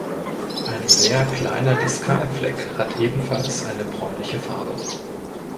Ein sehr kleiner Diskalfleck hat ebenfalls eine bräunliche Farbe.